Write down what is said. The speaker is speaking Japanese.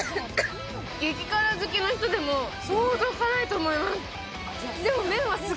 激辛好きの人でも相当辛いと思います。